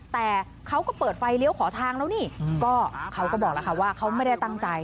แต่เขาก็เปิดไฟเลี้ยวขอทางแล้วนี่ก็เขาก็บอกแล้วค่ะว่าเขาไม่ได้ตั้งใจ